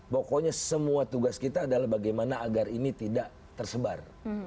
pokoknya semua tugas kita adalah bagaimana agar ini tidak tersebar